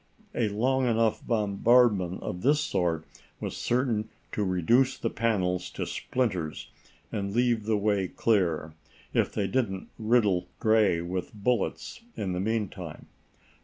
A long enough bombardment of this sort was certain to reduce the panels to splinters and leave the way clear if they didn't riddle Gray with bullets in the meantime.